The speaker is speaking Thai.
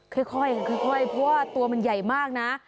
ค่อยเพราะว่าตัวมันใหญ่มากนะ